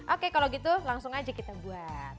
oke kalau gitu langsung aja kita buat